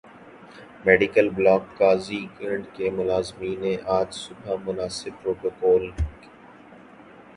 medical block Qazigund کے ملازمین نے آج صبح مناسب پروٹوکول ک